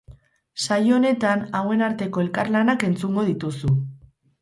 Saio honetan, hauen arteko elkarlanak entzungo dituzu.